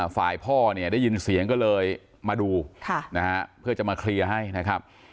ฝ่ายพ่อเนี่ยได้ยินเสียงก็เลยมาดูนะฮะเพื่อจะมาเคลียร์ให้นะครับ